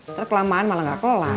ntar kelamaan malah enggak kelain